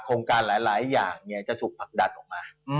โครงการหลายอย่างเนี่ยจะถูกผลักดัดออกมา